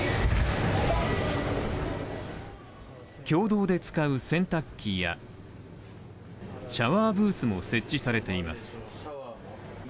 共同で使う洗濯機やシャワーブースも設置されています。